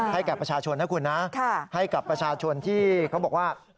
แก่ประชาชนนะคุณนะให้กับประชาชนที่เขาบอกว่า